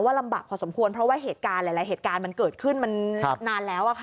ลำบากพอสมควรเพราะว่าเหตุการณ์หลายเหตุการณ์มันเกิดขึ้นมันนานแล้ว